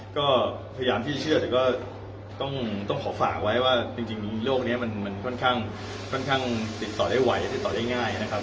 ก็พยายามที่เชื่อแต่ก็ต้องขอฝากไว้ว่าจริงโลกนี้มันค่อนข้างติดต่อได้ไวติดต่อได้ง่ายนะครับ